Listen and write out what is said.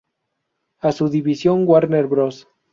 A su División Warner Bros.